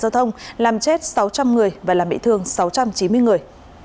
giao thông làm chết sáu trăm linh người và làm bị thương sáu trăm chín mươi người